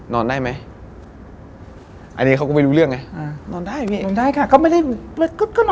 นอนได้หรือเปล่า